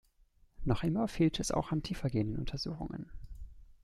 Noch immer fehlt es auch an tiefergehenden Untersuchungen.